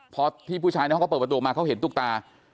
พอที่ผู้ชายนั้นเขาก็เปิดประตูออกมาเขาเห็นตุ๊กตา